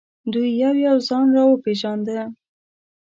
دوی یو یو ځان را پېژانده.